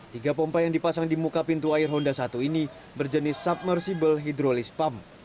tiga pompa yang dipasang di muka pintu air honda satu ini berjenis submersible hidrolist pump